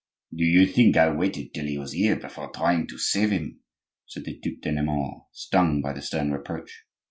"Do you think I waited till he was here before trying to save him?" said the Duc de Nemours, stung by the stern reproach.